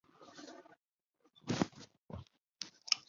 本站与位于附近的赤沙车辆段接轨。